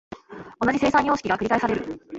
同じ生産様式が繰返される。